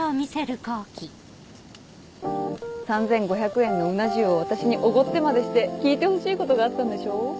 ３５００円のうな重を私におごってまでして聞いてほしいことがあったんでしょう？